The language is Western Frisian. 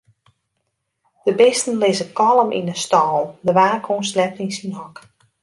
De bisten lizze kalm yn 'e stâlen, de waakhûn sliept yn syn hok.